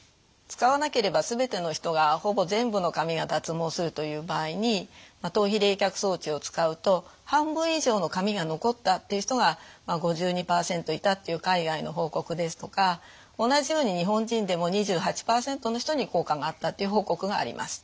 使わなければ全ての人がほぼ全部の髪が脱毛するという場合に頭皮冷却装置を使うと半分以上の髪が残ったっていう人が５２％いたっていう海外の報告ですとか同じように日本人でも２８％の人に効果があったっていう報告があります。